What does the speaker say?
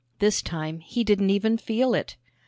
This time he didn't even feel it.